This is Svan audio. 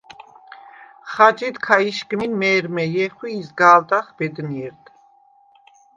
ხაჯიდ ქა იშგმინ მე̄რმე ჲეხვ ი იზგა̄ლდახ ბედნიერდ.